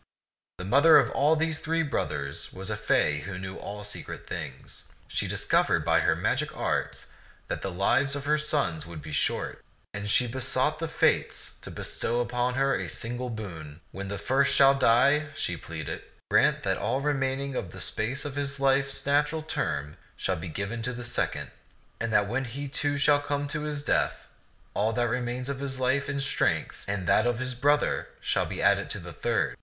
The mother of these three brothers was a fay who knew all secret things. She discovered by her magic arts that the lives of her sons would be short, and she besought the Fates to bestow upon her a single boon. " When the first shall die," she pleaded, "grant that all remain ing of the space of his life's natural term shall be given to the second ; and that when he, too, shall come to his death, all that remains of his life and strength and that of his brother shall be added to the third.'